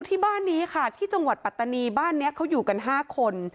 ที่บ้านนี้ค่ะที่จังหวัดปัตตานีบ้านนี้เขาอยู่กัน๕คน